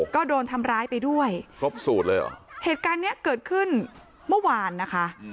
ก็โดนทำร้ายไปด้วยครบสูตรเลยเหรอเหตุการณ์เนี้ยเกิดขึ้นเมื่อวานนะคะ